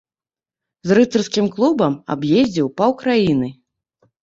З рыцарскім клубам аб'ездзіў паўкраіны.